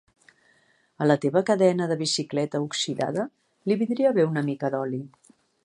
A la teva cadena de bicicleta oxidada li vindria bé una mica d'oli.